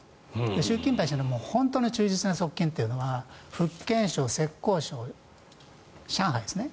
習近平氏の本当に忠実な側近というのは福建省、浙江省、上海ですね。